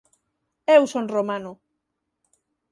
Eu son romano!